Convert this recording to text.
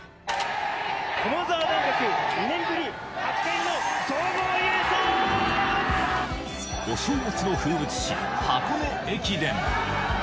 駒澤大学、お正月の風物詩、箱根駅伝。